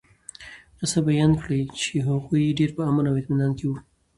قصّه بيان کړي چې هغوي ډير په امن او اطمنان کي وو